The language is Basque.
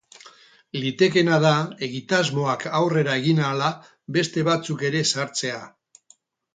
Litekeena da egitasmoak aurrera egin ahala, beste batzuk ere sartzea.